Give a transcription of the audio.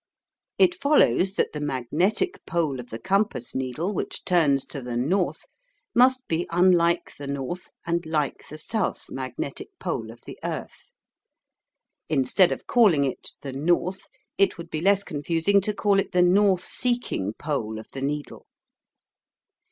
It follows that the magnetic pole of the compass needle which turns to the north must be unlike the north and like the south magnetic pole of the earth. Instead of calling it the "north," it would be less confusing to call it the "north seeking" pole of the needle.